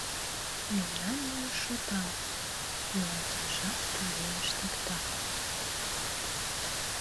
Мемнан илыш шотак, йӱланажак туге ыштыкта.